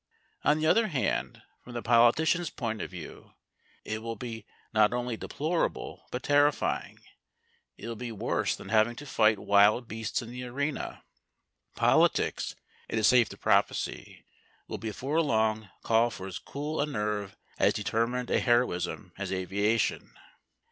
On the other hand from the politician's point of view, it will be not only deplorable, but terrifying. It will be worse than having to fight wild beasts in the arena. Politics, it is safe to prophesy, will before long call for as cool a nerve, as determined a heroism, as aviation.